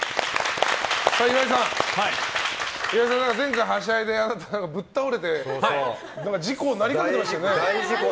岩井さん、前回はしゃいでぶっ倒れて事故になりかけてましたね。